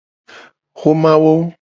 Xomawo.